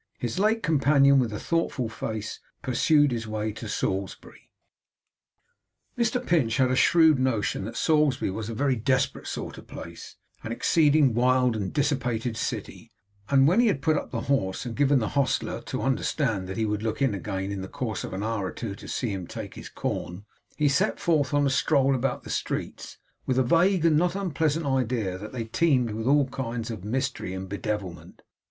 His late companion, with a thoughtful face pursued his way to Salisbury. Mr Pinch had a shrewd notion that Salisbury was a very desperate sort of place; an exceeding wild and dissipated city; and when he had put up the horse, and given the hostler to understand that he would look in again in the course of an hour or two to see him take his corn, he set forth on a stroll about the streets with a vague and not unpleasant idea that they teemed with all kinds of mystery and bedevilment.